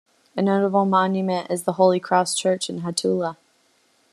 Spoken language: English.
A notable monument is the Holy Cross Church in Hattula.